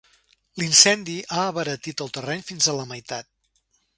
L'incendi ha abaratit el terreny fins a la meitat.